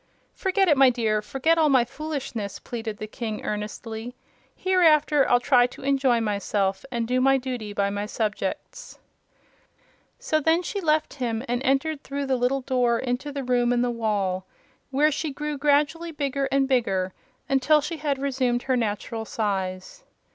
"Forget it, my dear; forget all my foolishness," pleaded the King, earnestly. "Hereafter I'll try to enjoy myself and do my duty by my subjects." So then she left him and entered through the little door into the room in the wall, where she grew gradually bigger and bigger until she had resumed her natural size.